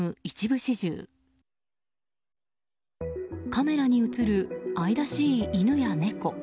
カメラに映る愛らしい犬や猫。